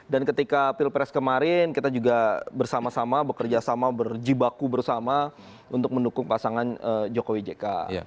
dan ketika pilpres kemarin kita juga bersama sama bekerja sama berjibaku bersama untuk mendukung pasangan jokowi jk